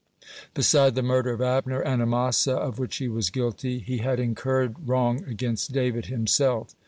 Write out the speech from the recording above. Beside the murder of Abner (6) and Amasa of which he was guilty, he had incurred wrong against David himself.